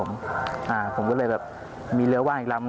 โอ้โหเราก็เลยแบบมีเรือว่างอีกแล้ว